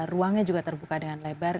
ruangnya juga terbuka dengan lebar